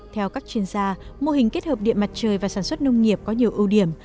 theo các chuyên gia mô hình kết hợp điện mặt trời và sản xuất nông nghiệp có nhiều ưu điểm